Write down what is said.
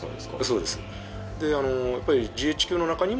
そうです。